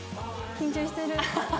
緊張してる。